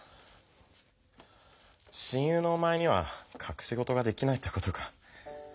親友のおまえにはかくしごとができないってことか。